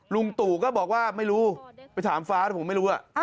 ลุงตู่ก็บอกว่าไม่รู้ไปถามฟ้าผมไม่รู้